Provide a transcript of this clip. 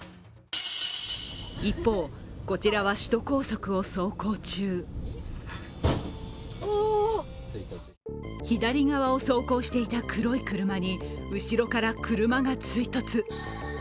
一方、こちらは首都高速を走行中左側を走行していた黒い車に、後ろから車が追突。